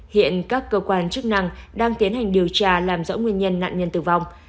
hiện các cơ quan chức năng đang tiến hành điều tra làm rõ nguyên nhân nạn nhân tử vong